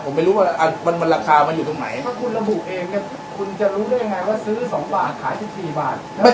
ผมไม่รู้ว่ามันราคามันอยู่ตรงไหนถ้าคุณระบุเองเนี่ยคุณจะรู้ได้ยังไงว่าซื้อ๒บาทขาย๑๔บาท